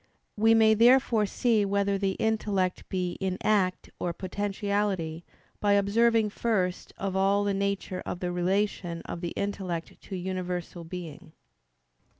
We may therefore see whether the intellect be in act or potentiality by observing first of all the nature of the relation of the intellect to universal being.